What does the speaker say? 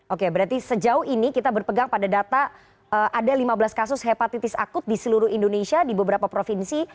oke berarti sejauh ini kita berpegang pada data ada lima belas kasus hepatitis akut di seluruh indonesia di beberapa provinsi